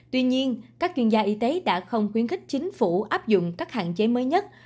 tuy nhiên các chuyên gia y tế đã không khuyến khích chính phủ áp dụng các hạn chế mới nhất